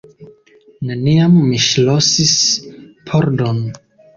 Neniam mi ŝlosis pordon.